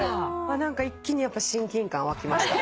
何か一気にやっぱ親近感湧きました。